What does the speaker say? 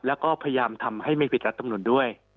แล้วก็พยายามทำให้ไม่ผิดรัฐมนุนด้วย